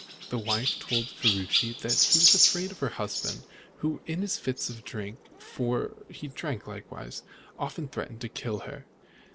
The wife told Ferruci that she was afraid of her husband, who, in his fits of drink for he drank likewise often threatened to kill her.